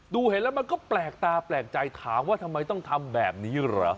เห็นแล้วมันก็แปลกตาแปลกใจถามว่าทำไมต้องทำแบบนี้เหรอ